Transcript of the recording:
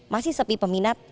masih sepi peminat